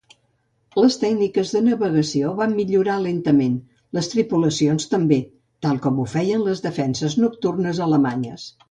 Les tècniques de navegació van millorar lentament, les tripulacions també, tal com ho feien les defenses nocturnes alemanyes.